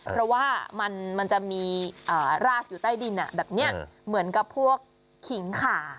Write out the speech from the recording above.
เพราะว่ามันจะมีรากอยู่ใต้ดินแบบนี้เหมือนกับพวกขิงขา